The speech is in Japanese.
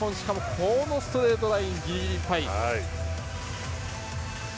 このストレートラインギリギリいっぱい。